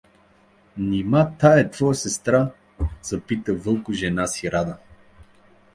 — Нима тя е твоя сестра? — запита Вълко жена си Рада.